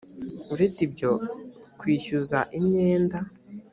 uretse ibyo kwishyuza imyenda